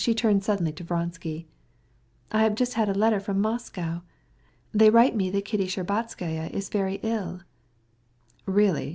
Anna suddenly turned to him. "Oh, I have had a letter from Moscow. They write me that Kitty Shtcherbatskaya's very ill." "Really?"